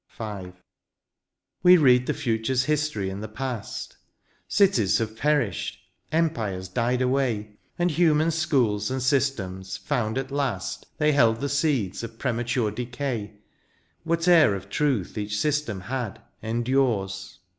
V. We read the future's history in the past — Cities have perished, empires died away. And human schools and systems found at last They held the seeds of premature decay : Whatever of truth each system had endures.